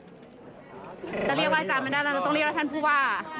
จะเรียกว่าอาจารย์ไม่ได้แล้วเราต้องเรียกว่าท่านผู้ว่า